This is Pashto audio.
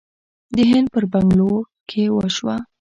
د هند په بنګلور کې وشوه